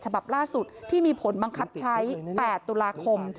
ฉบับล่าสุดที่มีผลบังคับใช้๘ตุลาคม